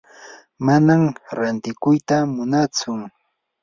manam rantikuyta munatsu.